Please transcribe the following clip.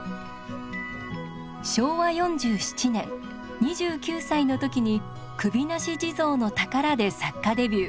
昭和４７年２９歳の時に「首なし地ぞうの宝」で作家デビュー。